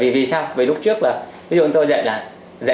vì sao vì lúc trước là ví dụ tôi dạy là dạy năm ngày